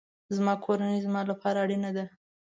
زما کورنۍ زما لپاره اړینه ده